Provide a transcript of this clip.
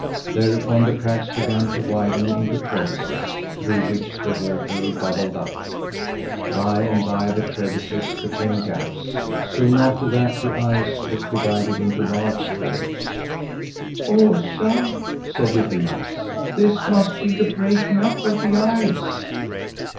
Thereupon the cracks began to widen into crevices through which the water bubbled up. By and by the crevices became gaps. Soon after that the ice was divided into large floes. "Osa," said little Mats, "this must be the breaking up of the ice!"